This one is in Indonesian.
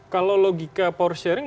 kalau logika power sharing